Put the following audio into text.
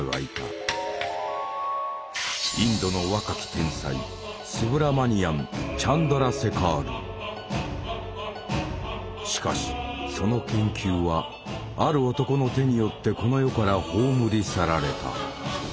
インドの若き天才しかしその研究はある男の手によってこの世から葬り去られた。